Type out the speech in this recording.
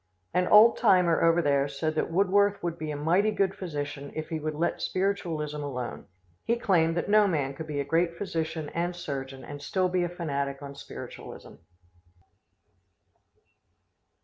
An old timer over there said that Woodworth would be a mighty good physician if he would let spiritualism alone. He claimed that no man could be a great physician and surgeon and still be a fanatic on spiritualism.